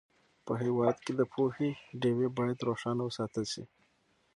په هېواد کې د پوهې ډېوې باید روښانه وساتل سي.